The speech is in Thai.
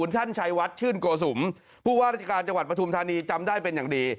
ท่านชัยวัดชื่นโกสุมผู้ว่าราชการจังหวัดปฐุมธานีจำได้เป็นอย่างดี